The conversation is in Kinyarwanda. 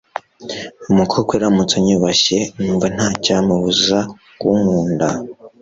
umukobwa aramutse anyubashye, numva nta n'icyamubuza kunkunda